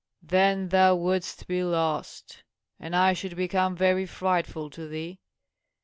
Then thou wouldst be lost, and I should become very frightful to thee.